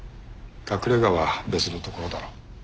隠れ家は別のところだろう。